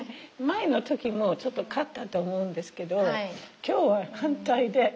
前の時もちょっと買ったと思うんですけど今日は反対で。